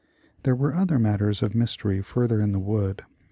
There were other matters of mystery further in the wood.